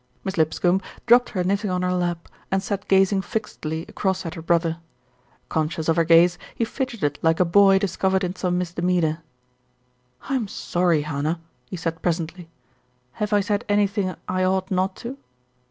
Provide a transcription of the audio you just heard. Miss Lipscombe dropped her knitting on her lap, and sat gazing fixedly across at her brother. Conscious of her gaze, he fidgeted like a boy discovered in some misdemeanour. "I'm sorry, Hannah," he said presently. "Have I said anything I ought not to?"